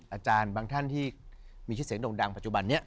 อาจารย์บางท่านที่มีชื่อเสียงโด่งดังปัจจุบันนี้